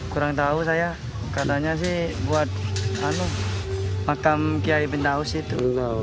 kurang tahu saya katanya buat makam kiai bintaus itu